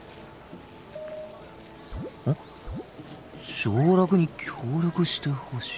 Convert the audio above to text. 上洛に協力してほしい。